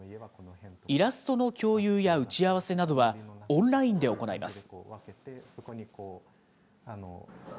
イラストの共有や打ち合わせなどは、オンラインで行います。